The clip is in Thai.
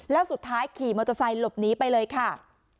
แล้วสุดท้ายขี่มอเตอร์ไซค์หลบหนีไปเลยค่ะ